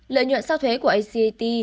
lợi nhuận sau thuế của acat